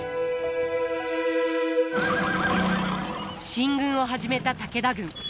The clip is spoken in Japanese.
進軍を始めた武田軍。